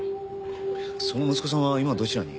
その息子さんは今どちらに？